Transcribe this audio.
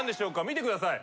見てください。